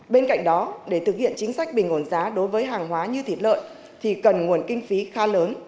bên cạnh đó để thực hiện chính sách bình ổn giá đối với hàng hóa như thịt lợn thì cần nguồn kinh phí khá lớn